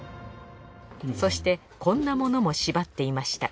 そしてこんなものも縛っていました